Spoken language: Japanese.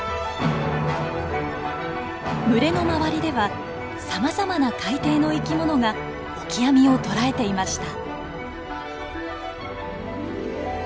群れの周りではさまざまな海底の生き物がオキアミを捕らえていました。